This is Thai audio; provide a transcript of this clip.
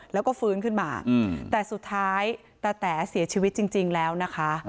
แล้วก็ฟื้นขึ้นมาแต่สุดท้ายตาแต๋เสียชีวิตจริงแล้วนะคะ